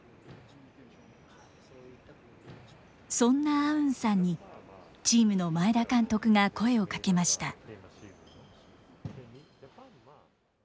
そんなアウンさんに、チームの前田監督が声をかけました。